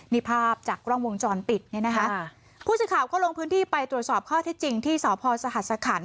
นี่ภาพจากกล้องวงจรปิดเนี่ยนะคะผู้สื่อข่าวก็ลงพื้นที่ไปตรวจสอบข้อที่จริงที่สพสหัสคัน